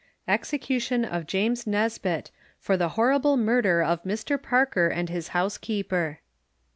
EXECUTION OF JAMES NESBETT FOR THE HORRIBLE MURDER OF MR. PARKER & HIS HOUSEKEEPER.